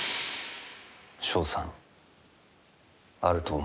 勝算あると思うか？